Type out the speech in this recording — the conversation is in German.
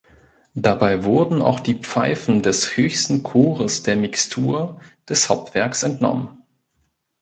Dabei wurden auch die Pfeifen des höchsten Chores der Mixtur des Hauptwerks entnommen.